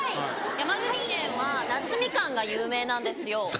山口県は夏ミカンが有名なんですよ。